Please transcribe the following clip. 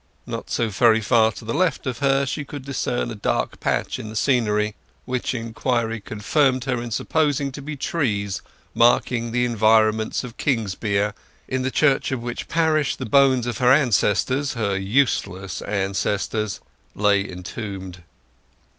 Not so very far to the left of her she could discern a dark patch in the scenery, which inquiry confirmed her in supposing to be trees marking the environs of Kingsbere—in the church of which parish the bones of her ancestors—her useless ancestors—lay entombed.